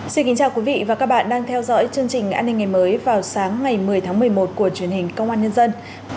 xin kính chào quý vị và các bạn đang theo dõi chương trình an ninh ngày mới vào sáng ngày một mươi tháng một mươi một của truyền hình công an nhân dân